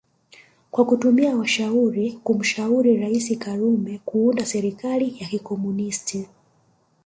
kwa kutuma washauri kumshauri raisi karume kuunda serikali ya kikomunist